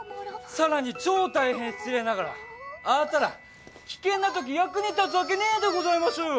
更に超大変失礼ながらアータら危険なとき役に立つわけねえでございましょうよ！